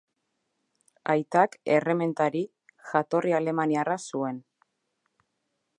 Aitak, errementari, jatorri alemaniarra zuen.